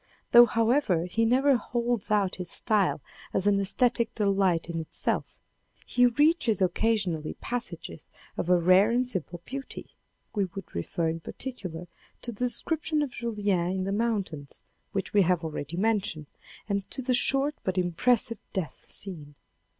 Though, however, he never holds out his style as an aesthetic delight in itself, he reaches occasionally passages of a rare and simple beauty. We would refer in particular to the description of Julien in the mountains, which we have already mentioned, and to the short but impressive death scene.